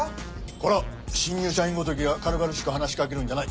こら新入社員ごときが軽々しく話しかけるんじゃない。